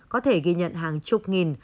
có thể ghi nhận hàng chục nghìn